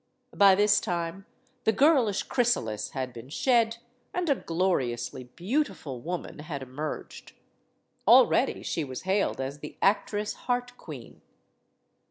By this time the girlish chrysalis had been shed and a gloriously beautiful woman had emerged. Already she was hailed as the "Actress Heart Queen."